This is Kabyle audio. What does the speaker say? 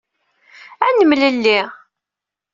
Ad nemlelli.